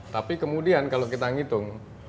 tapi kemudian kalau kita ngitung